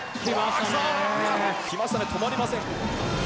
きますね、止まりません。